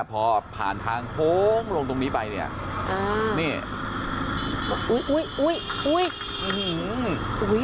พอผ่านทางโค้งลงตรงนี้ไปเนี่ยนี่บอกอุ้ยอุ้ยอุ้ยอุ้ย